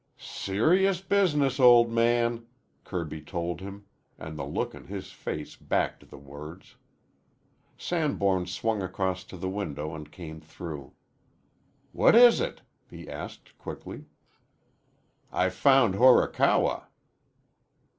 "Serious business, old man," Kirby told him, and the look on his face backed the words. Sanborn swung across to the window and came through. "What is it?" he asked quickly. "I've found Horikawa."